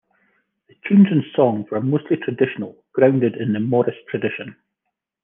The tunes and songs were mostly traditional, grounded in the Morris tradition.